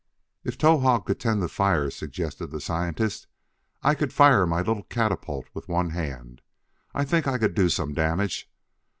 "If Towahg could tend the fire," suggested the scientist, "I could fire my little catapult with one hand. I think I could do some damage."